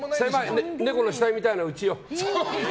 猫の死体みたいな家よ。